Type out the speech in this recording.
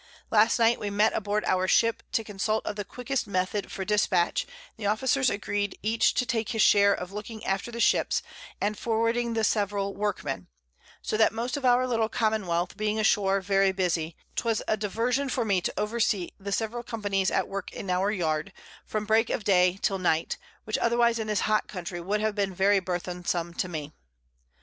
Last Night we met aboard our Ship to consult of the quickest Method for Dispatch, and the Officers agreed each to take his Share of looking after the Ships, and forwarding the several Workmen: So that most of our little Commonwealth being ashore very busy, 'twas a Diversion for me to oversee the several Companies at work in our Yard, from Break of Day till Night, which otherwise in this hot Country would have been very burthensome to me.